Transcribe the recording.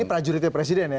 ini prajuritnya presiden ya